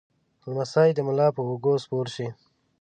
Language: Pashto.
لمسی د ملا پر اوږه سپور شي.